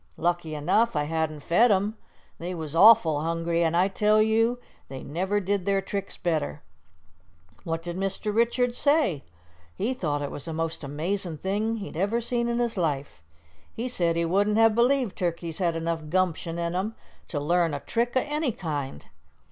Lucky enough, I hadn't fed 'em; they was awful hungry, an' I tell you they never did their tricks better." "What did Mr. Richards say?" "He thought it was the most amazin' thing he'd ever seen in his life. He said he wouldn't have believed turkeys had enough gumption in them to learn a trick o' any kind."